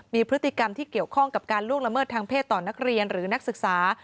มีพฤติกรรมที่เกี่ยวข้องกับการล่วงละเมิดทางเพศต่อนักเรียนหรือนักศึกษา